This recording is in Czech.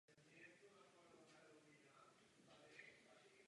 Ovládá anglický a španělský jazyk.